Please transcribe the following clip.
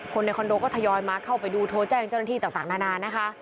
คนในคอนโดก็ทยอยมาเข้าไปดูโทรแจ้งเจ้าหน้าที่ต่างนานานะคะ